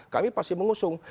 kami pasti mengusung